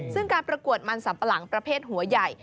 ซึ่งการประกวดมันสัมปะหลังประเภทหัวใหญ่